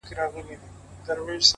کيسې د پروني ماښام د جنگ در اچوم;